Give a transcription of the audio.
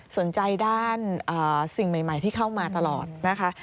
สนใจด้านสิ่งใหม่ที่เข้ามาตลอดนะคะ